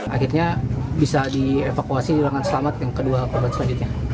akhirnya bisa dievakuasi dengan selamat yang kedua korban selanjutnya